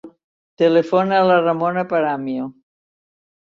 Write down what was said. Telefona a la Ramona Paramio.